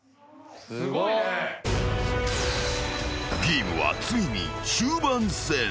［ゲームはついに終盤戦］